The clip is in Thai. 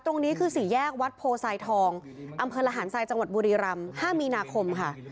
ตรงนี้คือสี่แยกวัดโพทรายทองอำเภอระหารทรายจังหวัดบุรีรำ๕มีนาคมค่ะ